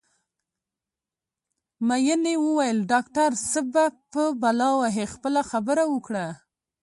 مينې وویل ډاکټر څه په بلا وهې خپله خبره وکړه